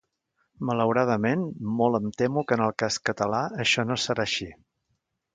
Malauradament, molt em temo que en el cas català, això no serà així.